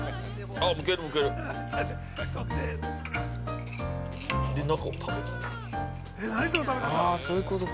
◆ああ、そういうことか。